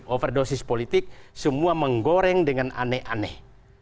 overdosis politik semua menggoreng dengan aneh aneh